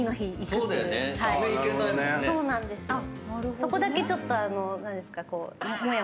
そこだけちょっと何ですか。